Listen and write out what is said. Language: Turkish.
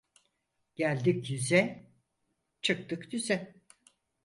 Geldik yüze, çıktık düze.